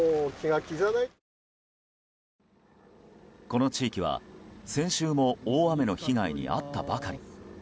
この地域は、先週も大雨の被害に遭ったばかり。